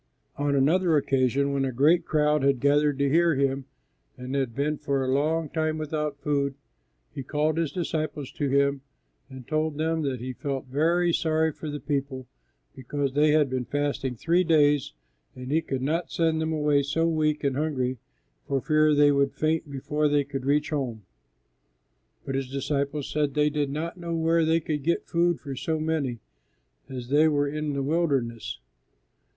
On another occasion when a great crowd had gathered to hear Him and had been for a long time without food, He called His disciples to Him and told them that He felt very sorry for the people because they had been fasting three days, and He could not send them away so weak and hungry for fear they would faint before they could reach home. But His disciples said they did not know where they could get food for so many, as they were in the wilderness.